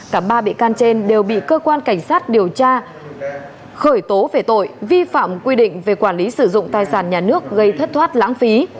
cả ba bị can trên đều bị cơ quan cảnh sát điều tra khởi tố về tội vi phạm quy định về quản lý sử dụng tài sản nhà nước gây thất thoát lãng phí